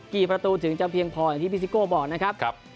กี่ประตูถึงจะเพียงพออย่างที่พี่ซิโก้บอกนะครับ